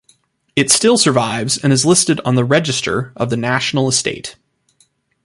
It still survives and is listed on the Register of the National Estate.